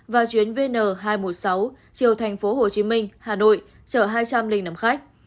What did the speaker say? và chuyến vn hai trăm một mươi sáu chiều tp hcm hà nội chở hai trăm linh năm khách